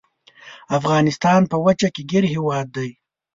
افغانستان په وچه کې ګیر هیواد دی.